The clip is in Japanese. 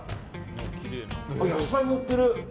野菜も売ってる。